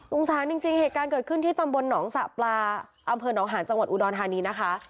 สงสารจริงเหตุการณ์เกิดขึ้นที่ตำบลหนองสะปลาอำเภอหนองหาญจังหวัดอุดรธานีนะคะ